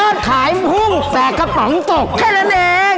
ขายหุ้มแต่กระป๋องตกแค่นั้นเอง